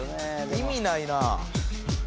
意味ないな。